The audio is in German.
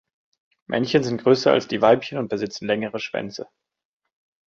Männchen sind größer als die Weibchen und besitzen längere Schwänze.